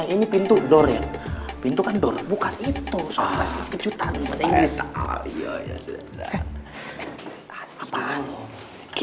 itu kobe sama kardok